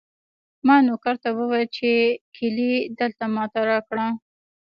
ما نوکر ته وویل چې کیلي دلته ما ته راکړه.